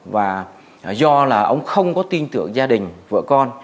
và do là ông không có tin tưởng gia đình vợ con